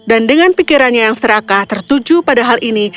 dan dengan pikirannya yang serakah tertuju pada hal ini